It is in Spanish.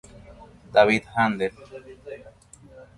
David Händel.